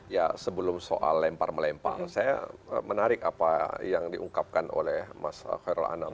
ya sebelum soal lempar melempar saya menarik apa yang diungkapkan oleh mas khairul anam